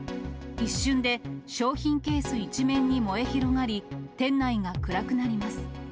一瞬で商品ケース一面に燃え広がり、店内が暗くなります。